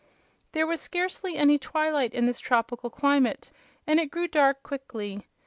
There was scarcely any twilight in this tropical climate and it grew dark quickly.